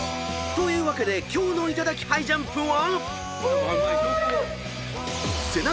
［というわけで今日の『いただきハイジャンプ』は］